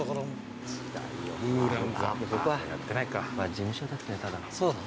事務所ですねただの。